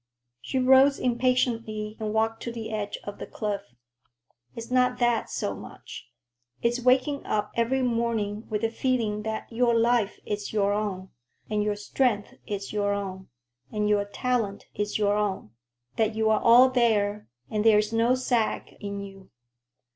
She rose impatiently and walked to the edge of the cliff. "It's not that so much. It's waking up every morning with the feeling that your life is your own, and your strength is your own, and your talent is your own; that you're all there, and there's no sag in you."